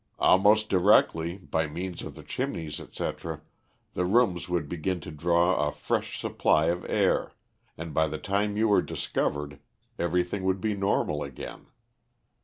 "Almost directly, by means of the chimneys, etc., the rooms would begin to draw a fresh supply of air, and by the time you were discovered everything would be normal again.